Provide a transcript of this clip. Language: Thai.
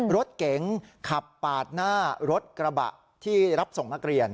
รถเก๋งขับปาดหน้ารถกระบะที่รับส่งนักเรียน